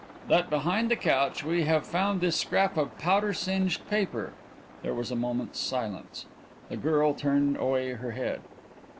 "That behind the couch we have found this scrap of powder singed paper." There was a moment's silence. The girl turned away her head.